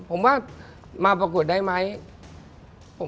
ผมว่ามาประกวดได้ไหม